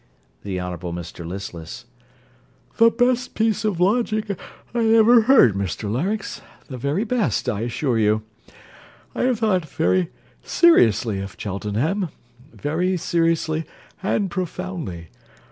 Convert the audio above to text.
THE HONOURABLE MR LISTLESS The best piece of logic I ever heard, Mr Larynx; the very best, I assure you. I have thought very seriously of Cheltenham: very seriously and profoundly.